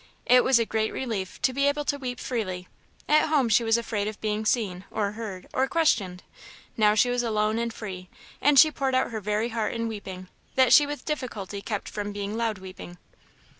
It was a great relief to be able to weep freely; at home she was afraid of being seen, or heard, or questioned; now she was alone and free, and she poured out her very heart in weeping, that she with difficulty kept from being loud weeping.